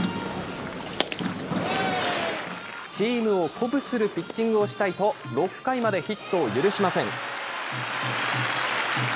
チームを鼓舞するピッチングをしたいと、６回までヒットを許しません。